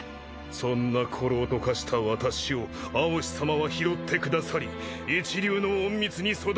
そんな孤狼と化した私を蒼紫さまは拾ってくださり一流の隠密に育て上げてくだされた。